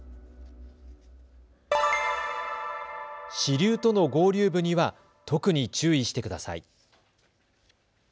支流との合流部には特に注意してください。